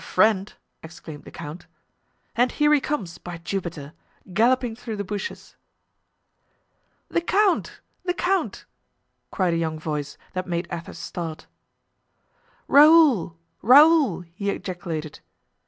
"A friend!" exclaimed the count. "And here he comes, by Jupiter! galloping through the bushes." "The count! the count!" cried a young voice that made Athos start. "Raoul! Raoul!" he ejaculated.